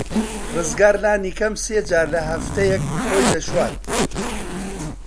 ڕزگار لانی کەم سێ جار لە هەفتەیەک خۆی دەشوات.